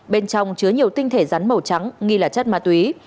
bên trong chứa nhiều tinh thể rắn màu trắng nghi là chất ma túy